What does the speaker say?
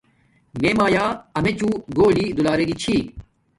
میے میآ امیچوں گھولی دولاریگی چھی